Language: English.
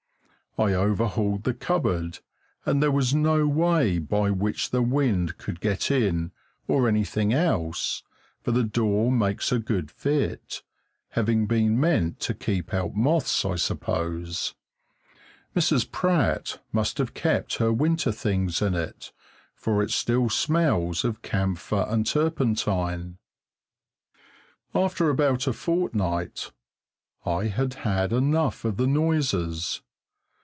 I overhauled the cupboard and there was no way by which the wind could get in, or anything else, for the door makes a good fit, having been meant to keep out moths, I suppose; Mrs. Pratt must have kept her winter things in it, for it still smells of camphor and turpentine. After about a fortnight I had had enough of the noises.